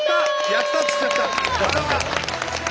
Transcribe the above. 「やった」っつっちゃった。